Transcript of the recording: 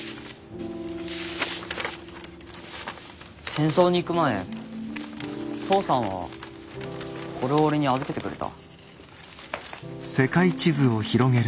戦争に行く前父さんはこれを俺に預けてくれた。